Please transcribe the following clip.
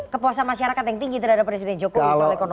kepuasan masyarakat yang tinggi terhadap presiden jokowi